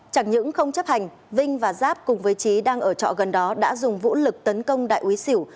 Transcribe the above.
chẳng những không chấp hành vinh và giáp cùng với trí đang ở trọ gần đó đã dùng vũ lực tấn công đại úy xỉu